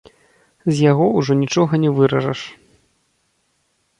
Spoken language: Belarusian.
З яго ўжо нічога не выражаш.